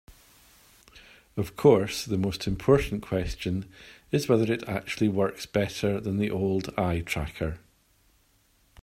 Of course, the most important question is whether it actually works better than the old eye tracker.